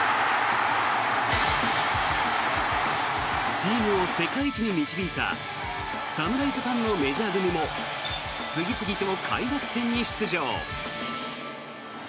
チームを世界一に導いた侍ジャパンのメジャー組も次々と開幕戦に出場。